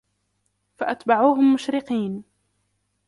فَأَتْبَعُوهُمْ مُشْرِقِينَ